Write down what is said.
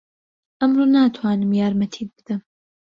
ئەمڕۆ ناتوانم یارمەتیت بدەم.